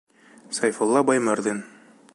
Сәйфулла БАЙМЫРҘИН.